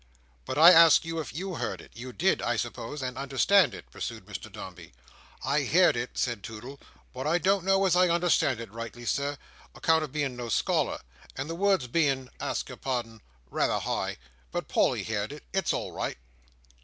"But I ask you if you heard it. You did, I suppose, and understood it?" pursued Mr Dombey. "I heerd it," said Toodle, "but I don't know as I understood it rightly Sir, "account of being no scholar, and the words being—ask your pardon—rayther high. But Polly heerd it. It's all right."